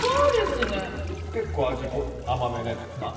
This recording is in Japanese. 結構味甘めのやつですか？